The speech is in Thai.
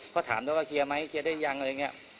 ก็ถามด้วยว่าเคลียร์ไหมเคลียร์ได้ยังอะไรอย่างนี้